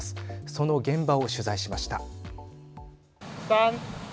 その現場を取材しました。